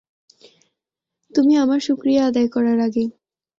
তুমি আমার শুকরিয়া আদায় করার আগে।